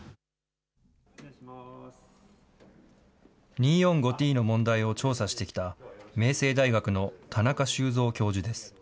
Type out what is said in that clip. ２，４，５ーＴの問題を調査してきた明星大学の田中修三教授です。